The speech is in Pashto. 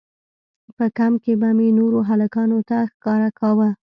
په کمپ کښې به مې نورو هلکانو ته ښکاره کاوه.